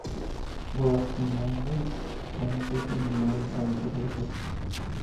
Brawl" para "Wii" como un jefe en el modo Aventura del juego.